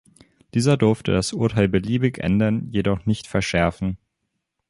Dieser durfte das Urteil beliebig ändern, jedoch nicht verschärfen.